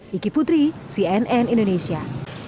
siki putri cnn indonesia